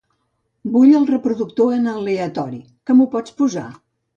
Vull el reproductor en aleatori; que m'ho pots posar?